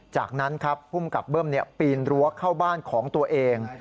จากนั้นครับภูมิกับเบิ้มปีนรั้วเข้าบ้านของตัวเอง